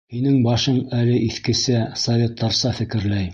Һинең башың әле иҫкесә, советтарса фекерләй.